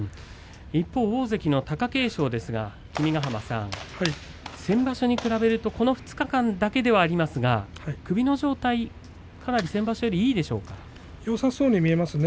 大関の貴景勝ですが君ヶ濱さん、先場所に比べるとこの２日間だけではありますが首の状態、かなり先場所よりよさそうですね